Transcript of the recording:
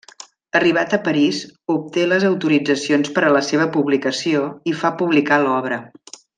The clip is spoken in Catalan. Arribat a París, obté les autoritzacions per a la seva publicació i fa publicar l'obra.